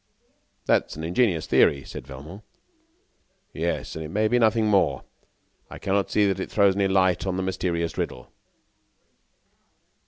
"That is an ingenious theory," said Velmont. "Yes, and it may be nothing more; I cannot see that it throws any light on the mysterious riddle."